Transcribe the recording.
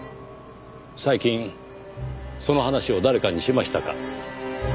最近その話を誰かにしましたか？